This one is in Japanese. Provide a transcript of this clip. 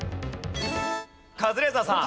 カズレーザーさん。